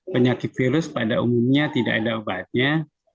penyakit virus pada umumnya tidak ada obatnya